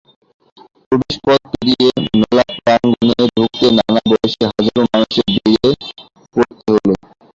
প্রবেশপথ পেরিয়ে মেলা প্রাঙ্গণে ঢুকতেই নানা বয়সী হাজারো মানুষের ভিড়ে পড়তে হলো।